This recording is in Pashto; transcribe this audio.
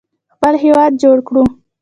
خپل هیواد جوړ کړو.